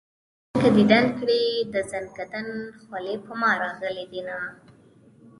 جانانه راشه که ديدن کړي د زنکدن خولې په ما راغلي دينه